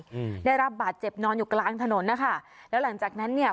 อืมได้รับบาดเจ็บนอนอยู่กลางถนนนะคะแล้วหลังจากนั้นเนี่ย